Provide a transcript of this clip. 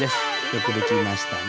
よくできましたね。